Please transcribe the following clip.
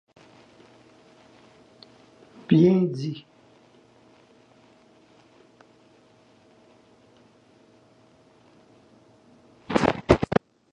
Bien dit!